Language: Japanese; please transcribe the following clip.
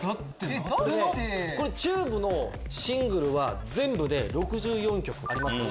ＴＵＢＥのシングルは全部で６４曲ありますから。